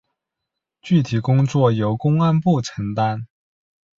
具体工作由公安部承担。